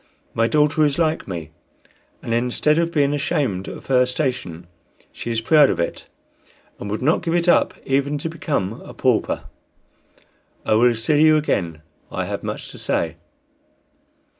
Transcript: My daughter is like me, and instead of being ashamed of her station she is proud of it, and would not give it up even to become a pauper. I will see you again. I have much to say."